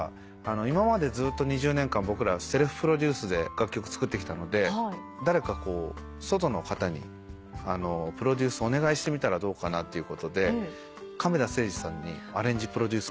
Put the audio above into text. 今までずっと２０年間僕らセルフプロデュースで楽曲作ってきたので誰か外の方にプロデュースお願いしてみたらどうかなっていうことで亀田誠治さんにアレンジプロデュース